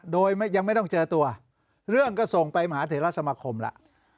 โดยยังไม่ต้องเจอตัวเรื่องก็ส่งไปมหาเถระสมคมแล้ว